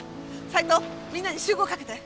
斉藤みんなに集合かけて！